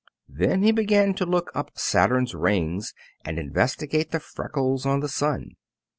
Then he began to look up Saturn's rings and investigate the freckles on the sun.